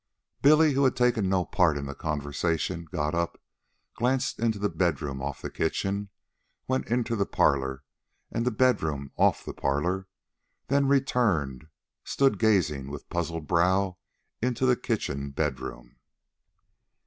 Billy, who had taken no part in the conversation, got up, glanced into the bedroom off the kitchen, went into the parlor and the bedroom off the parlor, then returned and stood gazing with puzzled brows into the kitchen bedroom.